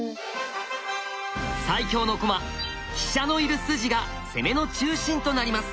最強の駒飛車のいる筋が攻めの中心となります。